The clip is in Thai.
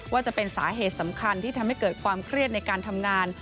ว่าจะเป็นสาเหตุสำคัญที่ทำให้เกิดความเครียดในการทำงาน